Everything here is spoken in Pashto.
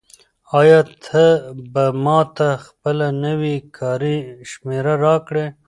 آیا ته به ماته خپله نوې کاري شمېره راکړې؟